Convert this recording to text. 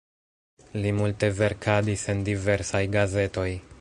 Li multe verkadis en diversaj gazetoj.